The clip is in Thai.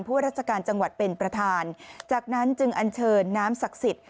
ว่าราชการจังหวัดเป็นประธานจากนั้นจึงอันเชิญน้ำศักดิ์สิทธิ์